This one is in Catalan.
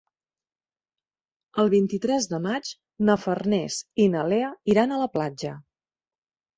El vint-i-tres de maig na Farners i na Lea iran a la platja.